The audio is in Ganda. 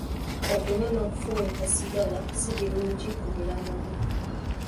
Okunywa n'okufuuweeta sigala si birungi ku bulamu bwo.